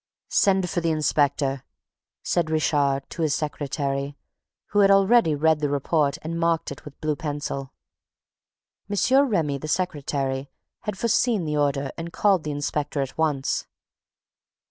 "Send for the inspector," said Richard to his secretary, who had already read the report and marked it with blue pencil. M. Remy, the secretary, had foreseen the order and called the inspector at once.